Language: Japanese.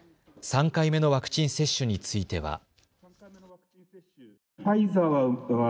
３回目のワクチン接種については。